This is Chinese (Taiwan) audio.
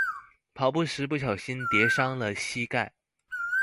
跑步時不小心跌傷了膝蓋